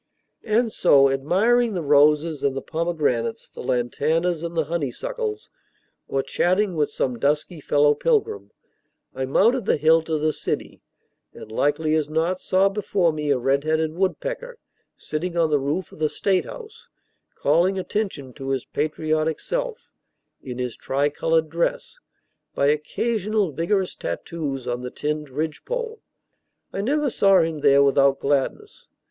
And so, admiring the roses and the pomegranates, the lantanas and the honeysuckles, or chatting with some dusky fellow pilgrim, I mounted the hill to the city, and likely as not saw before me a red headed woodpecker sitting on the roof of the State House, calling attention to his patriotic self in his tri colored dress by occasional vigorous tattoos on the tinned ridgepole. I never saw him there without gladness.